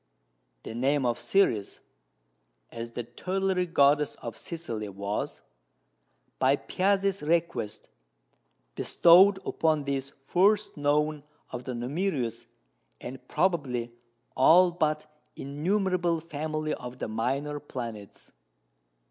The name of Ceres (as the tutelary goddess of Sicily) was, by Piazzi's request, bestowed upon this first known of the numerous, and probably all but innumerable family of the minor planets.